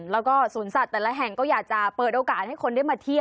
แล้วก็สวนสัตว์แต่ละแห่งก็อยากจะเปิดโอกาสให้คนได้มาเที่ยว